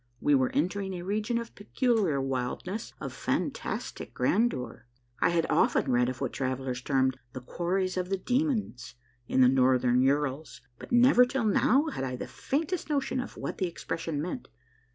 We were entering a region of peculiar wildness, of fantastic grandeur. I had often read of what travellers termed the " Quarries of the Demons " in the Northern Urals, but never till now had I the faintest notion of what the expression meant.